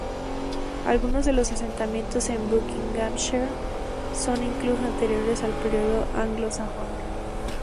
Algunos de los asentamientos en Buckinghamshire son incluso anteriores al periodo anglo-sajón.